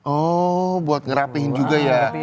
oh buat ngerapihin juga ya